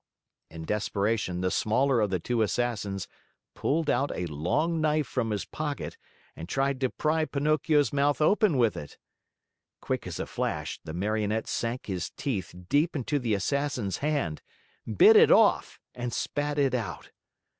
In desperation the smaller of the two Assassins pulled out a long knife from his pocket, and tried to pry Pinocchio's mouth open with it. Quick as a flash, the Marionette sank his teeth deep into the Assassin's hand, bit it off and spat it out.